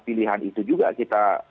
pilihan itu juga kita